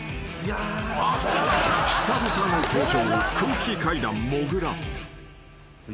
［久々の登場］